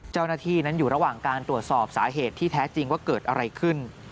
เจ้าหน้าที่นั้นอยู่ระหว่างการตรวจสอบสาเหตุที่แท้จริงว่าเกิดอะไรขึ้น